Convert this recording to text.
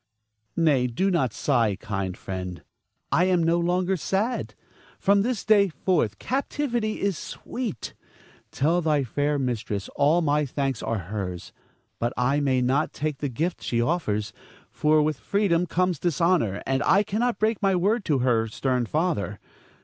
Nay, do not sigh, kind friend; I am no longer sad. From this day forth captivity is sweet. Tell thy fair mistress all my thanks are hers; but I may not take the gift she offers, for with freedom comes dishonor, and I cannot break my word to her stern father.